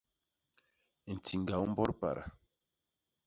Ntiñga u mbot pada.